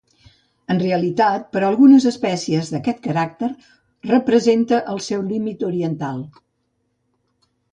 En realitat, per a algunes espècies d’aquest caràcter representa el seu límit oriental.